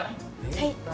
はい。